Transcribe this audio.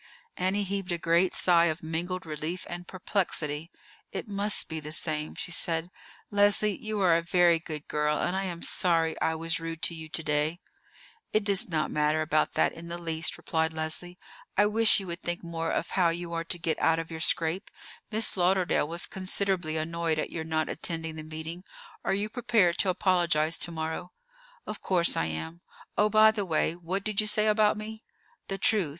Annie heaved a great sigh of mingled relief and perplexity. "It must be the same," she said. "Leslie, you are a very good girl, and I am sorry I was rude to you to day." "It does not matter about that in the least," replied Leslie. "I wish you would think more of how you are to get out of your scrape. Miss Lauderdale was considerably annoyed at your not attending the meeting. Are you prepared to apologize to morrow?" "Of course I am. Oh, by the way, what did you say about me?" "The truth.